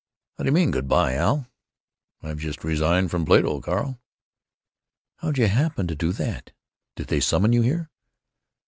"How d'you mean 'good by,' Al?" "I've just resigned from Plato, Carl." "How'd you happen to do that? Did they summon you here?"